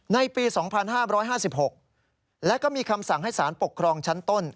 ในปี๒๕๕๖และก็มีคำสั่งให้สารปกครองชั้นต้น